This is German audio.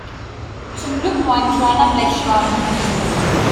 Zum Glück nur ein kleiner Blechschaden.